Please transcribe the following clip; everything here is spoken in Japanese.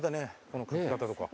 この書き方とか。